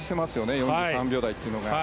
４３秒台というのが。